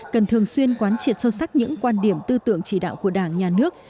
cần thường xuyên quán triệt sâu sắc những quan điểm tư tưởng chỉ đạo của đảng nhà nước